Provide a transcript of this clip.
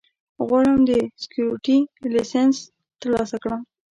غواړم د سیکیورټي لېسنس ترلاسه کړم